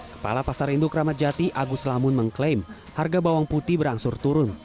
kepala pasar induk ramadjati agus lamun mengklaim harga bawang putih berangsur turun